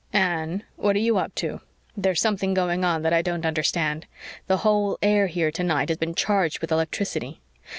"Anne, what are you up to? There's something going on that I don't understand. The whole air here tonight has been charged with electricity.